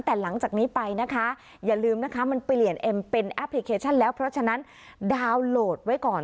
แต่หลังจากนี้ไปนะคะอย่าลืมนะคะมันเปลี่ยนเอ็มเป็นแอปพลิเคชันแล้วเพราะฉะนั้นดาวน์โหลดไว้ก่อน